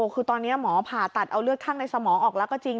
คือตอนนี้หมอผ่าตัดเอาเลือดข้างในสมองออกแล้วก็จริง